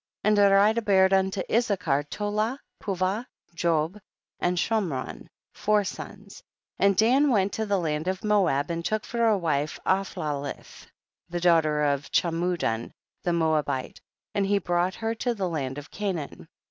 7. And Aridah bare unto Issachar Tola, Puvah, Job and Shomron, four sons ; and Dan went to the land of Moab and took for a wife Aphlaleth, the daughter of Chamudan the Moabite, and he brought her to the land of Canaan.